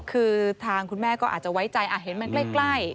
คือทางคุณแม่ก็อาจจะไว้ใจเห็นมันใกล้